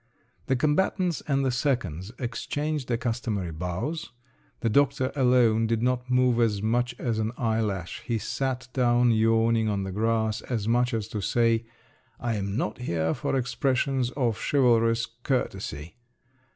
The combatants and the seconds exchanged the customary bows; the doctor alone did not move as much as an eyelash; he sat down yawning on the grass, as much as to say, "I'm not here for expressions of chivalrous courtesy."